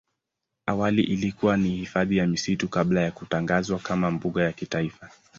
Awali ilikuwa ni hifadhi ya misitu kabla ya kutangazwa kama mbuga ya kitaifa.